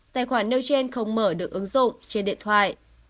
tài khoản nêu trên không mở được ứng dụng trên điện thoại